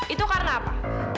itu karena apa